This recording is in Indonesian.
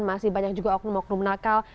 masih banyak juga oknum oknum nakal